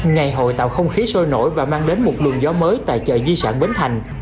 ngày hội tạo không khí sôi nổi và mang đến một lường gió mới tại chợ di sản bến thành